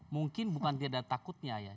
mungkin bukan tidak ada takutnya